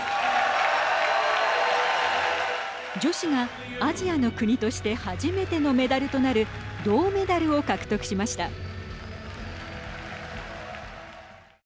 女子がアジアの国として初めてのメダルとなる銅メダルを獲得しました。